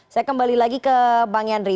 saya kembali lagi ke bang yandri